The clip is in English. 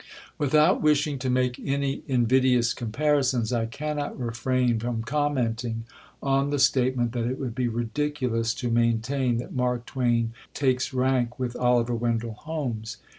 Without wishing to make any invidious comparisons, I cannot refrain from commenting on the statement that it would be "ridiculous" to maintain that Mark Twain takes rank with Oliver Wendell Holmes.